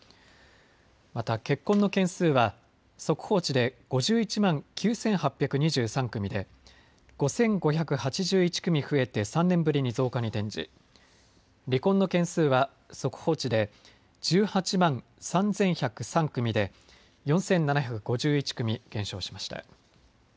また結婚の件数は速報値で５１万９８２３組で５５８１組増えて３年ぶりに増加に転じ離婚の件数は速報値で１８万３１０３組で４７５１組減少しました。